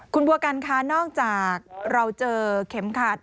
คุณบัวกันค่ะนอกจากเราเจอเข็มขัด